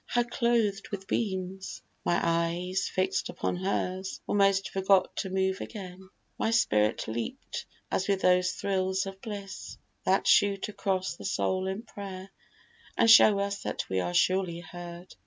How clothed with beams! My eyes, fix'd upon hers, Almost forgot even to move again. My spirit leap'd as with those thrills of bliss That shoot across the soul in prayer, and show us That we are surely heard.